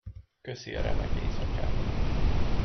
Köszi a remek éjszakát.